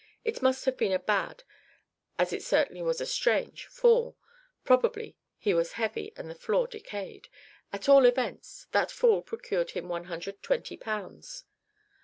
It must have been a bad, as it certainly was a strange, fall probably he was heavy and the floor decayed at all events that fall procured him 120 pounds.